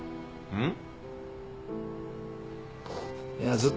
うん。